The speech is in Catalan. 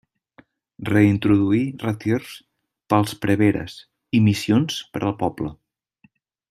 Reintroduí retirs pels preveres i missions per al poble.